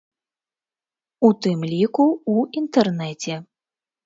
У тым ліку, у інтэрнэце.